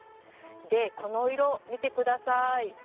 でこの色見て下さい。